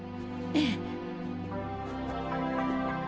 ええ。